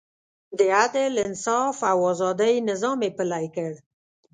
د عدل، انصاف او ازادۍ نظام یې پلی کړ.